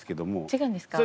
違うんですか？